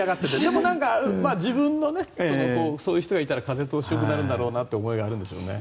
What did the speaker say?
でも、自分のそういう人がいたら風通しがよくなるんだという思いがあるんでしょうね。